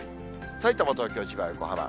さいたま、東京、千葉、横浜。